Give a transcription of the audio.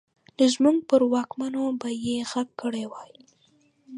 نو زموږ پر واکمنو به يې غږ کړی وای.